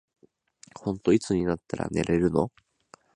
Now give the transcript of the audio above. ほんとにいつになったら寝れるの。